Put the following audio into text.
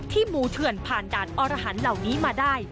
หมู่เถื่อนผ่านด่านอรหันต์เหล่านี้มาได้